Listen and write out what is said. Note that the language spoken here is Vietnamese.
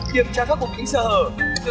kiểm tra các vùng kính sở hở